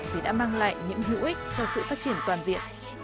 thì đã mang lại những hữu ích cho sự phát triển toàn diện